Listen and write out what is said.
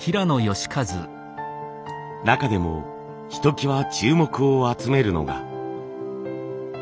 中でもひときわ注目を集めるのが。